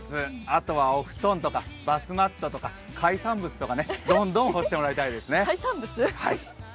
あとはお布団とかバスマットとか海産物とかね、どんどん干してもらいたいですね。